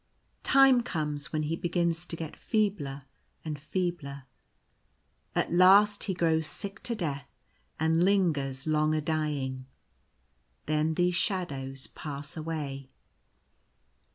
Time comes when he begins to get feebler and feebler. At last he grows sick to death, and lingers long a dying. Then these shadows pass away.